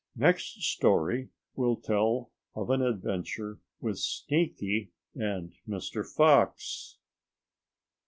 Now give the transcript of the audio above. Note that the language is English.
Next story will tell of an adventure with Sneaky and Mr. Fox.